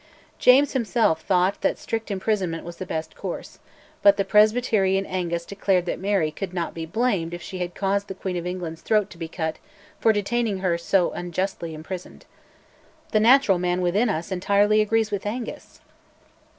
James himself thought that strict imprisonment was the best course; but the Presbyterian Angus declared that Mary "could not be blamed if she had caused the Queen of England's throat to be cut for detaining her so unjustly imprisoned." The natural man within us entirely agrees with Angus!